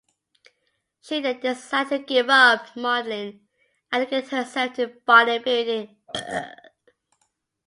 She then decided to give up modeling and dedicate herself to bodybuilding.